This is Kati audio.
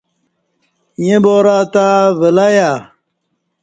ییں بارہ تہ ولہیا